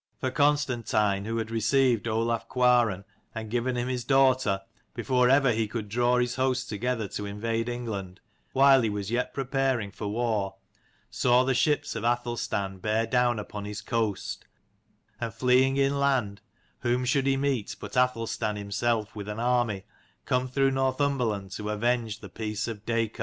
For Constantine, who had received Olaf Cuaran and given him his daughter, before ever he could draw his host together to invade England, while he was yet preparing for war, saw the ships of Athelstan bear down upon his coast; and fleeing inland, whom should he meet but Athelstan himself with an army, come through Northumberland to avenge the peace of Dacor.